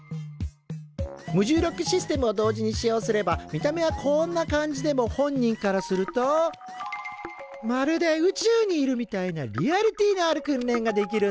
無重力システムを同時に使用すれば見た目はこんな感じでも本人からするとまるで宇宙にいるみたいなリアリティーのある訓練ができるんだ！